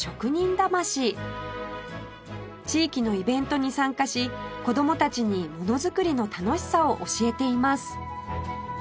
地域のイベントに参加し子供たちにものづくりの楽しさを教えています